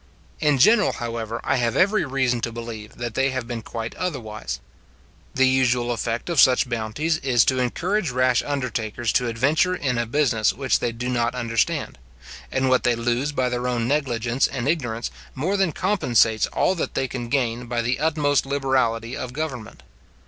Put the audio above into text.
In general, however, I have every reason to believe they have been quite otherwise. The usual effect of such bounties is, to encourage rash undertakers to adventure in a business which they do not understand; and what they lose by their own negligence and ignorance, more than compensates all that they can gain by the utmost liberality of government.